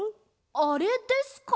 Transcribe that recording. あれですか？